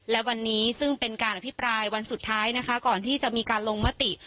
และวันนี้ซึ่งเป็นการอภิปรายวันสุดท้ายนะคะก่อนที่จะมีการลงมติ